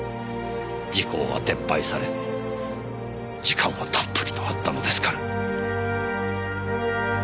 時効は撤廃され時間はたっぷりとあったのですから。